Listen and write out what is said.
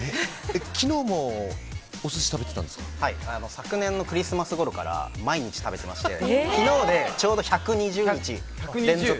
昨年のクリスマスごろから毎日、食べてまして昨日でちょうど１２０日連続。